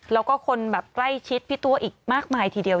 แล้วก็คนแบบใกล้ชิดพี่ตัวอีกมากมายทีเดียว